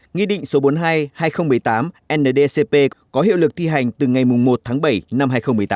nghị định số bốn mươi hai hai nghìn một mươi tám ndcp có hiệu lực thi hành từ ngày một tháng bảy năm hai nghìn một mươi tám